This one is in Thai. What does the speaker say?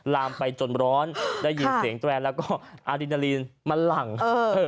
ลามไปจนร้อนได้ยินเสียงแตรนแล้วก็อารินาลีนมันหลั่งเออ